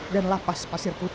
dan lapas pasir putih